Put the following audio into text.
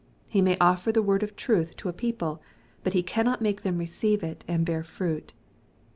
He may offer the word of truth to a people, but he cannot make them receive it and bear fruit.